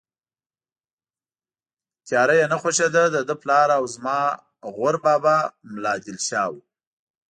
تیاره یې نه خوښېده، دده پلار او زما غور بابا ملا دل شاه و.